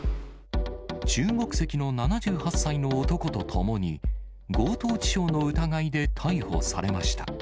中国籍の７８歳の男とともに、強盗致傷の疑いで逮捕されました。